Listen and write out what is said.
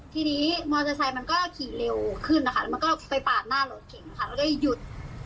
ทีนี้มอเตอร์ไซค์มันก็ขี่เร็วขึ้นนะคะแล้วมันก็ไปปาดหน้ารถเก่งค่ะแล้วก็เลยหยุด